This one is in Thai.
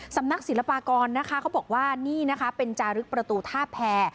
สำนักศิลปากรนะคะเขาบอกว่านี่นะคะเป็นจารึกประตูท่าแพร